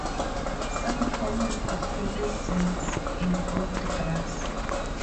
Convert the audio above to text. Some common aphorisms involve grass.